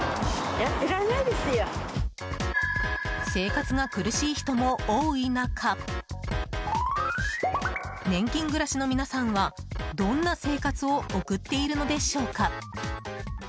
生活が苦しい人も多い中年金暮らしの皆さんはどんな生活を送っているのでしょうか？